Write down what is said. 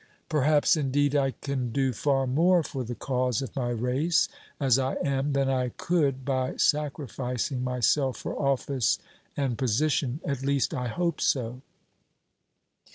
Perhaps, indeed, I can do far more for the cause of my race as I am than I could by sacrificing myself for office and position; at least, I hope so."